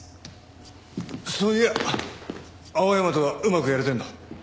そういや青山とはうまくやれてるの？